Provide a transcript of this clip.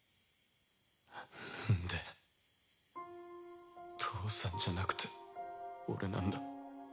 なんで父さんじゃなくて俺なんだ。